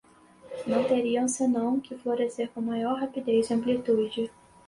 não teriam senão que florescer com maior rapidez e amplitude